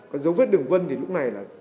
còn dấu vết đường vân thì lúc này là